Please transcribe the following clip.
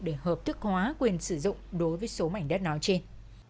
để hợp thức hóa quyền sử dụng đối với số mảnh đất nói trên